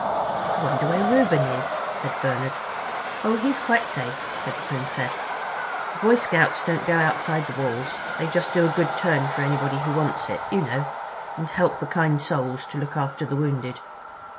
"I wonder where Reuben is?" said Bernard. "Oh, he's quite safe," said the Princess. "The Boy Scouts don't go outside the walls—they just do a good turn for anybody who wants it, you know—and help the kind Soles to look after the wounded."